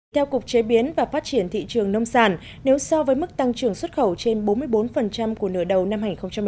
theo cục chế biến và phát triển thị trường nông sản nếu so với mức tăng trưởng xuất khẩu trên bốn mươi bốn của nửa đầu năm hai nghìn một mươi chín